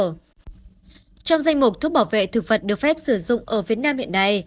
trong danh mục thuốc bảo vệ thực vật được phép sử dụng ở việt nam hiện nay